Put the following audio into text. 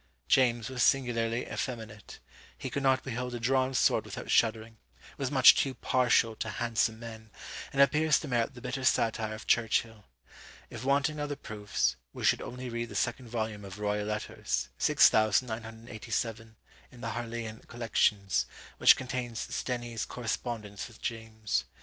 James was singularly effeminate; he could not behold a drawn sword without shuddering; was much too partial to handsome men; and appears to merit the bitter satire of Churchill. If wanting other proofs, we should only read the second volume of "Royal Letters," 6987, in the Harleian collections, which contains Stenie's correspondence with James.